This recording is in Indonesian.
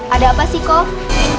ada apa sih kok